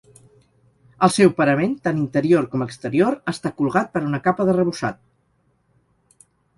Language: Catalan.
El seu parament, tant interior com exterior, està colgat per una capa d'arrebossat.